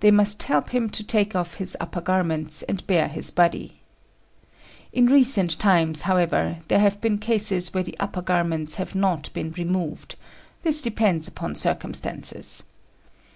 They must help him to take off his upper garments and bare his body. In recent times, however, there have been cases where the upper garments have not been removed: this depends upon circumstances.